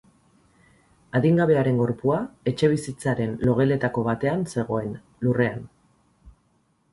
Adingabearen gorpua etxebizitzaren logeletako batean zegoen, lurrean.